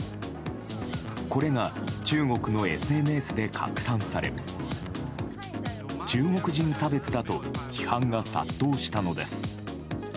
これが中国のＳＮＳで拡散され中国人差別だと批判が殺到したのです。